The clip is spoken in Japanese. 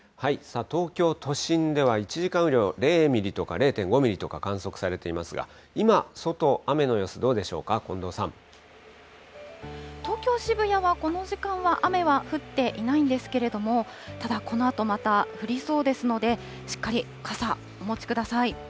東京都心では１時間雨量０ミリとか、０．５ミリとか観測されていますが、今、外、雨の様子、どうでしょうか、東京・渋谷はこの時間は雨は降っていないんですけれども、ただこのあとまた降りそうですので、しっかり傘、お持ちください。